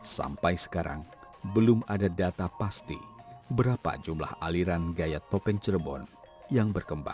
sampai sekarang belum ada data pasti berapa jumlah aliran gaya topeng cirebon yang berkembang